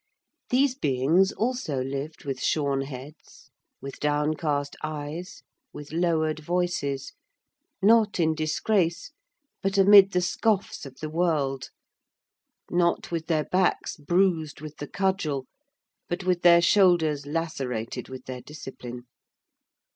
These beings also lived with shorn heads, with downcast eyes, with lowered voices, not in disgrace, but amid the scoffs of the world, not with their backs bruised with the cudgel, but with their shoulders lacerated with their discipline.